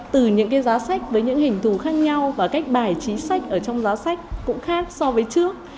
từ những cái giá sách với những hình thù khác nhau và cách bài trí sách ở trong giá sách cũng khác so với trước